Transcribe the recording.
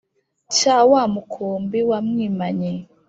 cya wa mukumbi wa mwimanyi